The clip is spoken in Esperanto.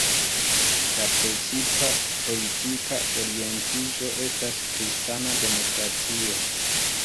La precipa politika orientiĝo estas kristana demokratio.